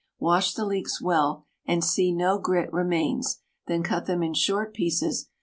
Wash the leeks well, and see no grit remains, then cut them in short pieces.